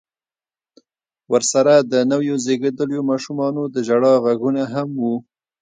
ورسره د نويو زيږېدليو ماشومانو د ژړا غږونه هم و.